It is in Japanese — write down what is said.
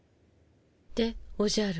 でおじゃる。